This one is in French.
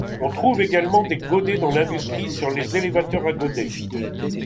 On trouve également des godets dans l'industrie sur les élévateurs à godets.